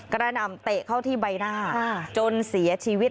หน่ำเตะเข้าที่ใบหน้าจนเสียชีวิต